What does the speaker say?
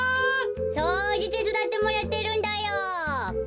そうじてつだってもらってるんだよ。